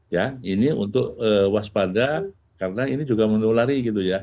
ya ini untuk waspada karena ini juga menulari gitu ya